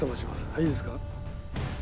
はいいいですか。